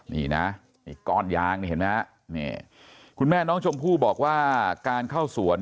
นี่นะไอ้ก้อนยางนี่เห็นไหมฮะนี่คุณแม่น้องชมพู่บอกว่าการเข้าสวน